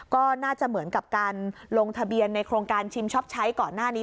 ก็น่าจะเหมือนกับการลงทะเบียนในโครงการชิมช็อปใช้ก่อนหน้านี้